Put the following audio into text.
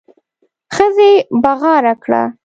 ښځې بغاره کړه.